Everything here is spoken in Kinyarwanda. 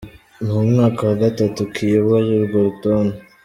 Ni umwaka wa gatatu kiyoboye urwo rutonde.